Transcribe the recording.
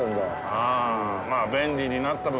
ああ。